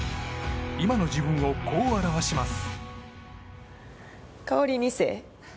今の自分をこう表します。